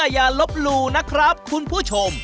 อย่าลบหลู่นะครับคุณผู้ชม